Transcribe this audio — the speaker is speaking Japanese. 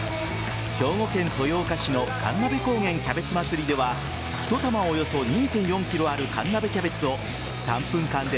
兵庫県豊岡市の神鍋高原キャベツまつりではひと玉およそ２．４ｋｇある神鍋キャベツを３分間で